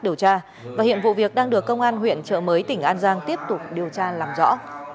điều tra và hiện vụ việc đang được công an huyện trợ mới tỉnh an giang tiếp tục điều tra làm rõ